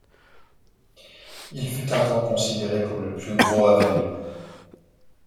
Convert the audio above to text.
Il fut un temps considéré comme le plus gros avion du monde.